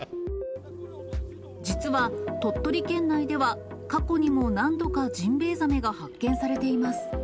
実は、鳥取県内では、過去にも何度かジンベエザメが発見されています。